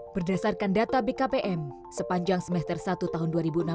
berdasarkan data bkpm sepanjang semester satu tahun dua ribu enam belas